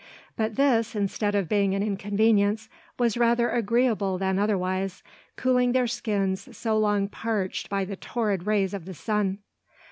But this, instead of being an inconvenience, was rather agreeable than otherwise, cooling their skins so long parched by the torrid rays of the sun.